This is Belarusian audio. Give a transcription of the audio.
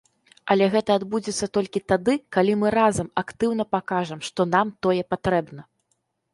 Але гэта адбудзецца толькі тады, калі мы разам актыўна пакажам, што нам тое патрэбна.